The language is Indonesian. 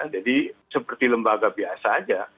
jadi seperti lembaga biasa saja